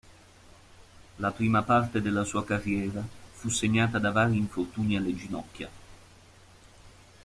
La prima parte della sua carriera fu segnata da vari infortuni alle ginocchia.